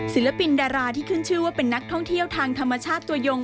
ศิลปินดาราที่ขึ้นชื่อว่าเป็นนักท่องเที่ยวทางธรรมชาติตัวยง